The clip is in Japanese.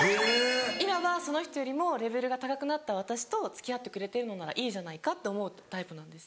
今はその人よりもレベルが高くなった私と付き合ってくれてるのならいいじゃないかって思うタイプなんです。